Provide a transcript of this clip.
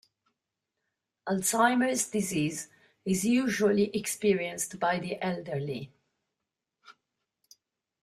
Alzheimer’s disease is usually experienced by the elderly.